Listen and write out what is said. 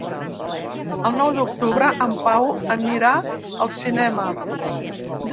El nou d'octubre en Pau anirà al cinema.